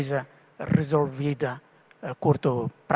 jadi itu adalah